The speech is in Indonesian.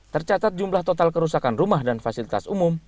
tercatat jumlah total kerusakan rumah dan fasilitas umum